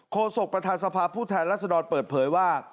ศกประธานสภาพผู้แทนรัศดรเปิดเผยว่า